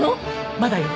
まだよ。